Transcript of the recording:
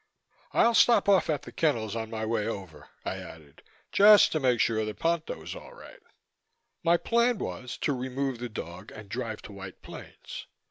"I'll stop off at the kennels on my way over," I added, "just to make sure that Ponto is all right." My plan was to remove the dog and drive to White Plains.